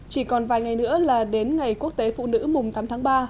chỉ còn vài ngày nữa là đến ngày quốc tế phụ nữ mùng tám tháng ba